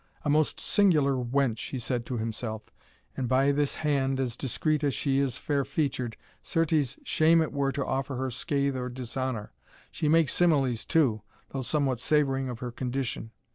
"A most singular wench," said he to himself; "and by this hand, as discreet as she is fair featured Certes, shame it were to offer her scathe or dishonour! She makes similes too, though somewhat savouring of her condition.